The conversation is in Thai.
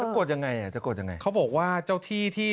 กดที่ยังไง